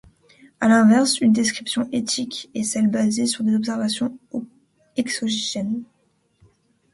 À l’inverse une description étique est celle basée sur des observations exogènes.